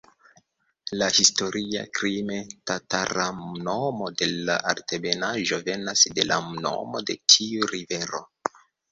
La historia krime-tatara nomo de la altebenaĵo venas de la nomo de tiu rivero.